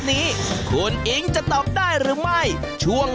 ๒ชิ้นไอ้น้องเอ็งเสริมหล่อได้หลายวัน